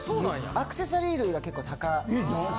アクセサリー類が結構高いですかね。